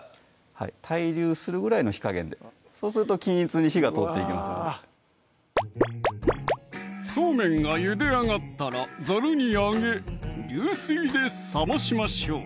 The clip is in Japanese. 対流するぐらいの火加減でそうすると均一に火が通っていきますのでそうめんがゆで上がったらざるにあげ流水で冷ましましょう